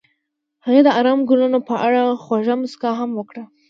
هغې د آرام ګلونه په اړه خوږه موسکا هم وکړه.